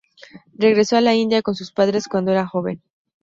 Regresó a la India con sus padres cuando era joven.